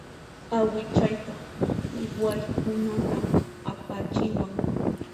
Awichayqa wayk'unatan apachiwan.